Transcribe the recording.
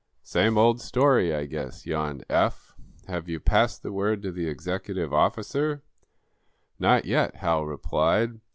"Same old story, I guess," yawned Eph. "Have you passed the word to the executive office?" "Not yet," Hal replied.